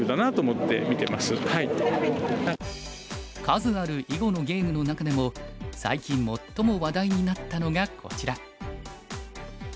数ある囲碁のゲームの中でも最近最も話題になったのがこちら。